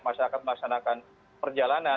masyarakat memaksanakan perjalanan